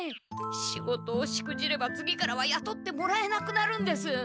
仕事をしくじれば次からはやとってもらえなくなるんです。